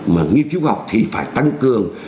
mà nghiên cứu khoa học thì phải tăng cường